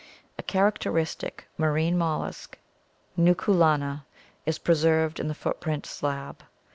A characteristic marine mollusc (Nuculana) is preserved in the footprint slab.